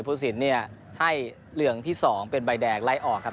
ผู้สินเนี่ยให้เหลืองที่๒เป็นใบแดงไล่ออกครับ